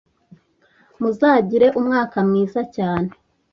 muzagire umwaka mwiza cyane